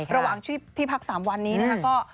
ระหว่างที่พัก๓วันนี้นะคะ